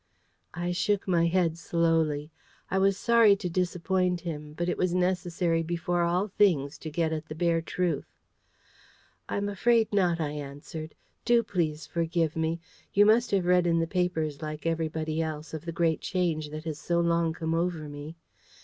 I shook my head slowly. I was sorry to disappoint him; but it was necessary before all things to get at the bare truth. "I'm afraid not," I answered. "Do please forgive me! You must have read in the papers, like everybody else, of the very great change that has so long come over me.